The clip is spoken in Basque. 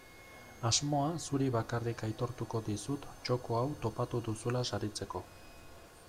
Asmoa zuri bakarrik aitortuko dizut txoko hau topatu duzula saritzeko.